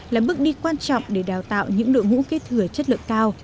là bước đi quan trọng để đào tạo những đội ngũ kế thừa chất lượng cao